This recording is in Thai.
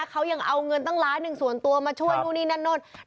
เขายังเอาเงินตั้งล้านหนึ่งส่วนตัวมาช่วยนู่นนี่นั่นนู่น